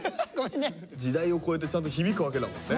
時代を超えてちゃんと響くわけだもんね。